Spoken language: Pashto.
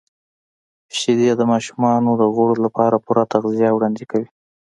•شیدې د ماشومانو د غړو لپاره پوره تغذیه وړاندې کوي.